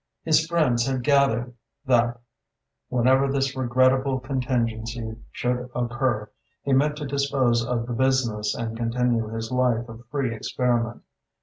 His friends had gathered that, whenever this regrettable contingency should occur, he meant to dispose of the business and continue his life of free experiment.